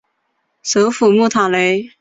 首府穆塔雷。